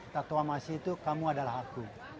tatuamasi itu kamu adalah aku